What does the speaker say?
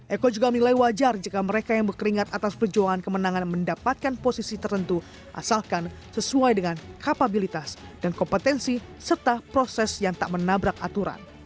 eko juga menilai wajar jika mereka yang berkeringat atas perjuangan kemenangan mendapatkan posisi tertentu asalkan sesuai dengan kapabilitas dan kompetensi serta proses yang tak menabrak aturan